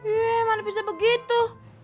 ih mana bisa begitu